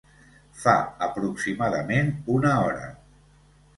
Fa aproximadament una hora.